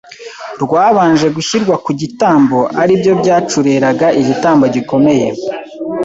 rwabanje gushyirwa ku gitambo ari byo byacureraga igitambo gikomeye